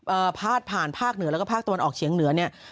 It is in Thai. พาดผ่านภาคเหนือแล้วก็ภาคตะวันออกเฉียงเหนือเนี่ย